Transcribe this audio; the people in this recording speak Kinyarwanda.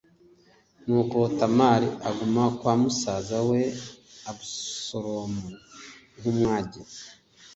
Nuko Tamari aguma kwa musaza we Abusalomu nk’umwage.